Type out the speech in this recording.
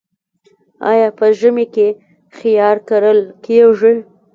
آیا په ژمي کې خیار کرل کیږي؟